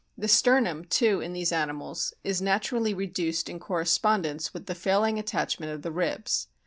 The sternum, too, in these animals is naturally reduced in correspondence with the failing attachment of the ribs.